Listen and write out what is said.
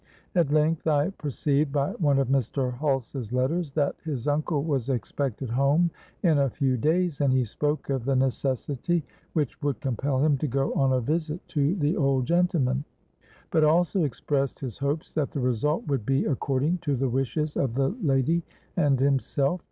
At length I perceived by one of Mr. Hulse's letters that his uncle was expected home in a few days, and he spoke of the necessity which would compel him to go on a visit to the old gentleman, but also expressed his hopes that the result would be according to the wishes of the lady and himself.